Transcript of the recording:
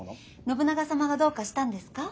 信長様がどうかしたんですか？